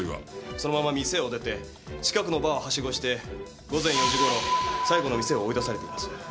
そのまま店を出て近くのバーをはしごして午前４時頃最後の店を追い出されています。